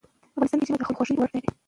افغانستان کې ژمی د خلکو د خوښې وړ ځای دی.